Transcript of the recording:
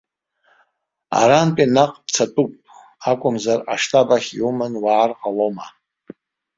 Арантәи наҟ цатәуп акәымзар, аштаб ахь иуманы уаар ҟалома!